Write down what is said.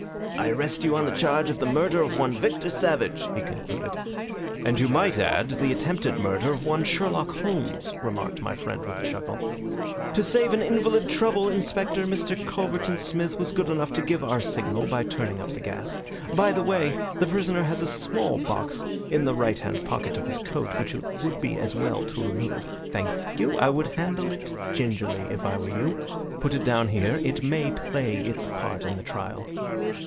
"I arrest you on the charge of the murder of one Victor Savage," he concluded. "And you might add of the attempted murder of one Sherlock Holmes," remarked my friend with a chuckle. "To save an invalid trouble, Inspector, Mr. Culverton Smith was good enough to give our signal by turning up the gas. By the way, the prisoner has a small box in the right hand pocket of his coat which it would be as well to remove. Thank you. I would handle it gingerly if I were you. Put it down here. It may play its part in the trial."